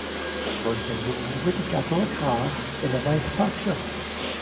Roedden nhw wedi gadael y car yn y maes parcio.